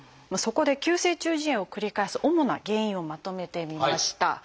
そこで急性中耳炎を繰り返す主な原因をまとめてみました。